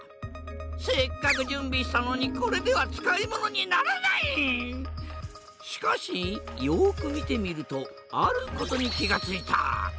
せっかく準備したのにこれでは使い物にならない！しかしよく見てみるとあることに気が付いた。